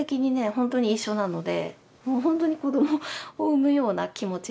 本当に一緒なのでもう本当に子どもを産むような気持ちで。